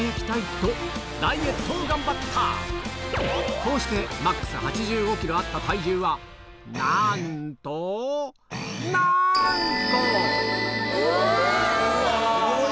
こうしてＭＡＸ８５ｋｇあった体重はなんとなんと！